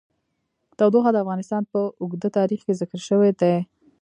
تودوخه د افغانستان په اوږده تاریخ کې ذکر شوی دی.